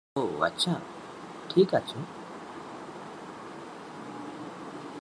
এরপর ভারতে আশ্রয় নেন।